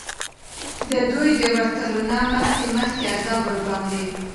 د دوی د ورتلو نه مخکي مخکي عذاب ورباندي